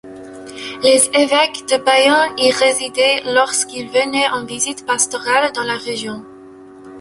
Les évêques de Bayonne y résidaient lorsqu'ils venaient en visite pastorale dans la région.